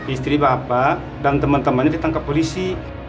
istri bapak dan teman temannya ditangkap polisi